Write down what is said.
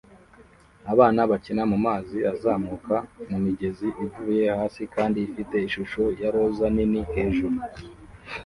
Abana bakina mumazi azamuka mumigezi ivuye hasi kandi ifite ishusho ya roza nini hejuru